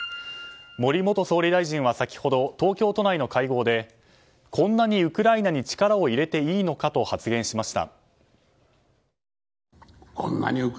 森元総理大臣は先ほど、東京都内の会合でこんなにウクライナに力を入れていいのかと発言しました。